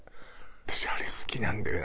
私あれ好きなんだよね